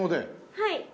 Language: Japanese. はい。